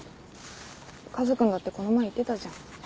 カズくんだってこの前言ってたじゃん。